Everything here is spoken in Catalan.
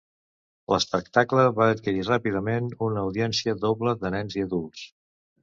L'espectacle va adquirir ràpidament una audiència doble de nens i adults.